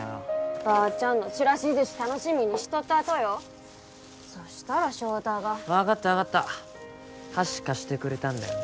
ばーちゃんのちらし寿司楽しみにしとったとよそしたら翔太が分かった分かった箸貸してくれたんだよね